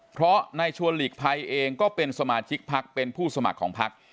เพราะนายชวนหลีกภัยเองก็เป็นสมาชิกพักเป็นผู้สมัครของพัก